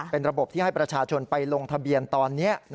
เป็นระบบที่ให้ประชาชนไปลงทะเบียนตอนนี้